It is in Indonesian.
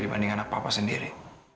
dibanding anak papa sendiri